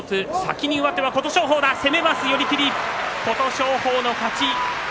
琴勝峰の勝ち